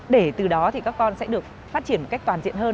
để từ đó thì các con sẽ được phát triển một cách toàn diện hơn